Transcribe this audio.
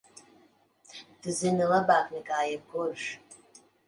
Tu zini labāk nekā jebkurš!